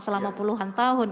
selama puluhan tahun